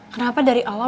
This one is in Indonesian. kenapa dari awal